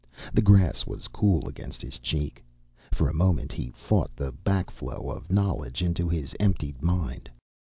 The grass was cool against his cheek. For a moment he fought the back flow of knowledge into his emptied mind.